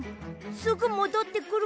すぐもどってくるから。